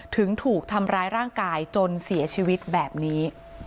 ถึงถูกทำร้ายร่างกายจนเสียชีวิตแบบนี้